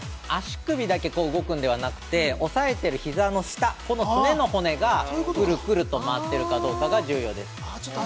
足首だけ動くのではなくて押さえている膝の下この骨がくるくると回ってるかどうかが重要です。